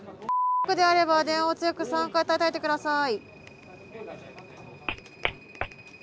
外にいれば電話を強く３回たたいて下さい。